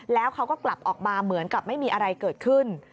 แล้วเขาก็กลับออกมาเหมือนกับไม่มีอะไรเกิดขึ้น